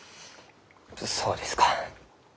そうですか。